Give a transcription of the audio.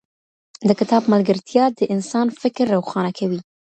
د کتاب ملګرتیا د انسان فکر روښانه کوي.